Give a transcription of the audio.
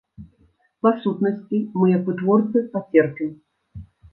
Па сутнасці, мы як вытворцы пацерпім.